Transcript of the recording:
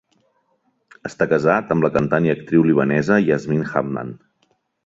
Està casat amb la cantant i actriu libanesa Yasmine Hamdan.